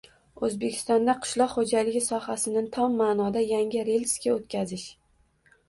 – O‘zbekistonda qishloq xo‘jaligi sohasini tom ma’noda yangi relsga o‘tkazish